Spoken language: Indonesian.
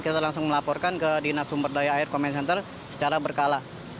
kita langsung melaporkan ke dinasumberdaya air command center secara berkala